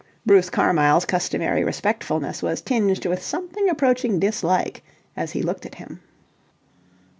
Bruce Carmyle's customary respectfulness was tinged with something approaching dislike as he looked at him.